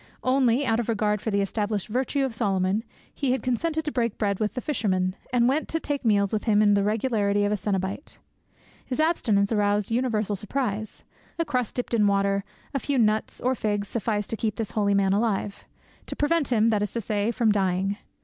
Only, out of regard for the established virtue of Solomon, he had consented to break bread with the fisherman, and went to take meals with him with the regularity of a cenobite. His abstinence aroused universal surprise: a crust dipped in water, a few nuts or figs sufficed to keep this holy man alive—to prevent him, that is to say, from dying.